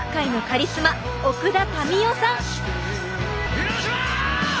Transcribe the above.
広島！